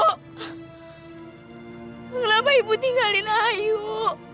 kenapa ibu tinggalin ayu